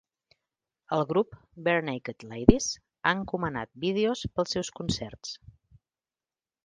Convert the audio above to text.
El grup Barenaked Ladies ha encomanat vídeos pels seus concerts.